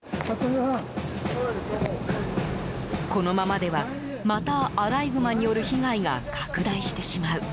このままではまた、アライグマによる被害が拡大してしまう。